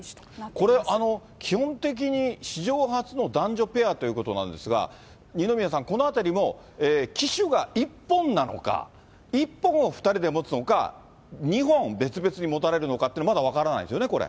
これ、基本的に、史上初の男女ペアということなんですが、二宮さん、このあたりも、旗手が一本なのか、１本を２人で持つのか、２本別々に持たれるのかっていうのは、まだ分からないんですよね、